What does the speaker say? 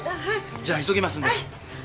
じゃあ急ぎますんで。